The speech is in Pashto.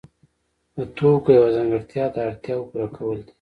د توکو یوه ځانګړتیا د اړتیاوو پوره کول دي.